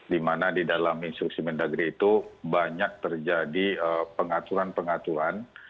di mana di dalam instruksi mendagri itu banyak terjadi pengaturan pengaturan